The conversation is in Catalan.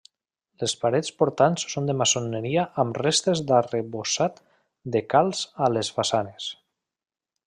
Les parets portants són de maçoneria amb restes d'arrebossat de calç a les façanes.